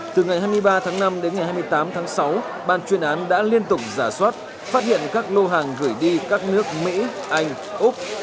từ ngày hai mươi ba tháng năm đến ngày hai mươi tám tháng sáu ban chuyên án đã liên tục giả soát phát hiện các lô hàng gửi đi các nước mỹ anh úc